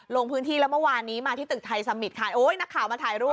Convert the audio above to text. ลงพื้นที่แล้วเมื่อวานนี้มาที่ตึกไทยสมิตรค่ะโอ้ยนักข่าวมาถ่ายรูป